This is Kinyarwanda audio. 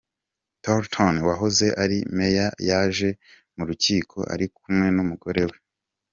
Thornton wahoze ari meya yaje mu rukiko ari kumwe n’umugore we.